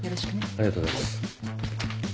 ありがとうございます。